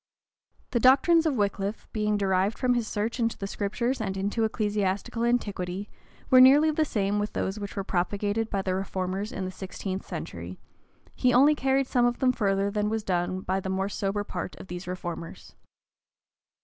The doctrines of Wickliffe being derived from his search into the Scriptures and into ecclesiastical antiquity, were nearly the same with those which were propagated by the reformers in the sixteenth century: he only carried some of them farther than was done by the more sober part of these reformers.